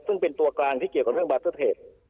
ซึ่งเป็นตัวกลางที่เกี่ยวกับเรื่องบาร์เตอร์เทจ